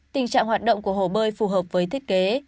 tình trạng hoạt động của hồ bơi phù hợp với thiết kế